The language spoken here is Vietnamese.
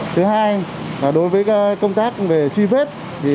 thứ hai đối với công tác về truy vết